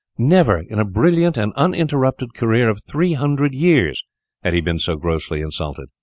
Never, in a brilliant and uninterrupted career of three hundred years, had he been so grossly insulted.